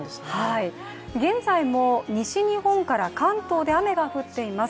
現在も西日本から関東で雨が降っています。